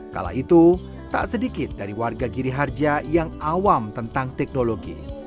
kala itu tak sedikit dari warga giri harja yang awam tentang teknologi